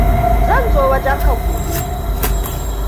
Zan zo wajenka gobe.